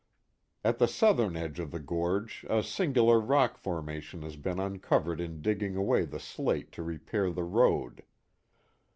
At the southern end of the gorge a singular rock forma tion has been uncovered in digging away the slate to repair the road.